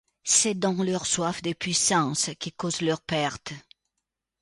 C'est donc leur soif de puissance qui cause leur perte.